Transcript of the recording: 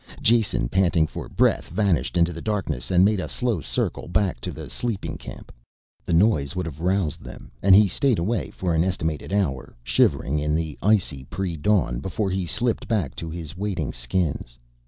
Jason, panting for breath, vanished into the darkness and made a slow circle back to the sleeping camp. The noise would have roused them and he stayed away for an estimated hour, shivering in the icy predawn, before he slipped back to his waiting skins.